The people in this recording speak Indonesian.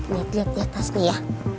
nih lihat lihat tasnya ya